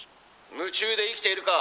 「夢中で生きているか？」。